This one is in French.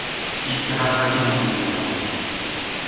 Il sera traduit dans plusieurs langues.